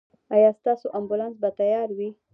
ایا ستاسو امبولانس به تیار وي؟